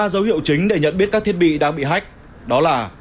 ba dấu hiệu chính để nhận biết các thiết bị đang bị hách đó là